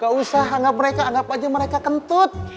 gak usah anggap mereka anggap aja mereka kentut